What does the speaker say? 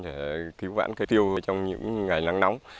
để cứu vãn cây tiêu trong những ngày nắng nóng